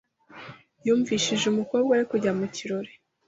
Yumvishije umukobwa we kujya mu kirori .